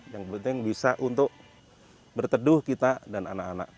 yang penting bisa untuk berteduh kita dan anak anak